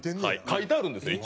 書いてあるんですよ